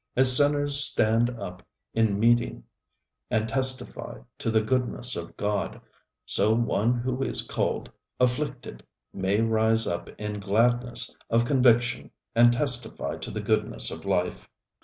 As sinners stand up in meeting and testify to the goodness of God, so one who is called afflicted may rise up in gladness of conviction and testify to the goodness of life.